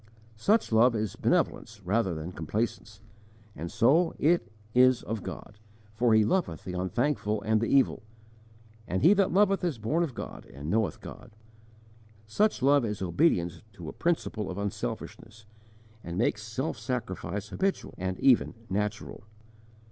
Such love is benevolence rather than complacence, and so it is "of God," for He loveth the unthankful and the evil: and he that loveth is born of God and knoweth God. Such love is obedience to a principle of unselfishness, and makes self sacrifice habitual and even natural.